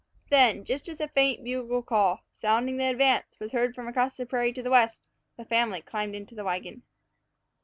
Then, just as a faint bugle call, sounding the advance, was heard from across the prairie to the west, the family climbed into the wagon.